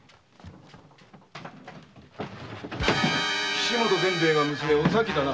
岸本善兵衛が娘・お咲だな？